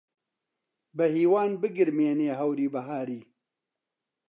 بەهیوان بگرمێنێ هەوری بەهاری